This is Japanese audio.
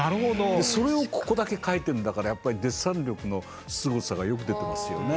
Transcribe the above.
それをここだけ描いてるんだからやっぱりデッサン力のすごさがよく出てますよね。